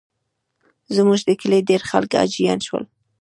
زموږ د کلي ډېر خلک حاجیان شول.